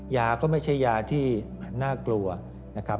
ยาก็ไม่ใช่ยาที่น่ากลัวนะครับ